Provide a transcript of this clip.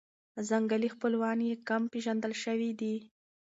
ځنګلي خپلوان یې کم پېژندل شوي دي.